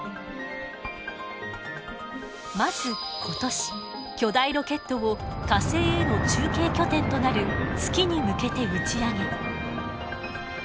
まず今年巨大ロケットを火星への中継拠点となる月に向けて打ち上げ。